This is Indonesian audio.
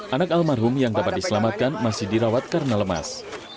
anak almarhum yang dapat diselamatkan masih dirawat karena lemas